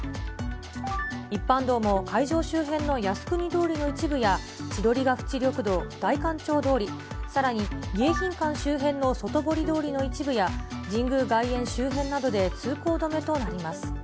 一般道も会場周辺の靖国通りの一部や、千鳥ヶ淵緑道、代官町通り、さらに迎賓館周辺の外堀通りの一部や、神宮外苑周辺などで通行止めとなります。